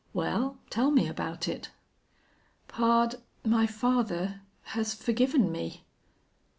Well, tell me about it?" "Pard, my father has forgiven me."